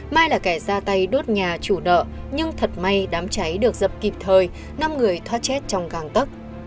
mai là kẻ ra tay đốt nhà chủ nợ nhưng thật may đám cháy được dập kịp thời năm người thoát chết trong găng tấc